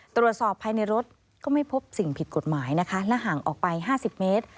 ตรวจสอบภายในรถก็ไม่พบสิ่งผิดกฎหมายนะคะและห่างออกไป๕๐เมตร